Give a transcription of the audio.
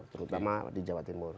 terutama di jawa timur